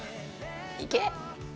いけ！